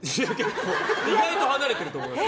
意外と離れてると思います。